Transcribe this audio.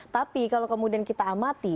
tapi kalau kemudian kita amati